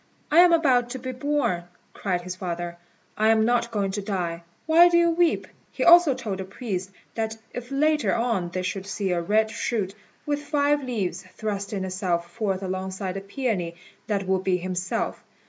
"I am about to be born," cried his father; "I am not going to die. Why do you weep?" He also told the priests that if later on they should see a red shoot, with five leaves, thrusting itself forth alongside of the peony, that would be himself.